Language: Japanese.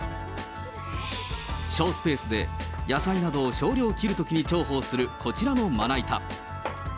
省スペースで野菜などを少量切るときに重宝するこちらのまな板。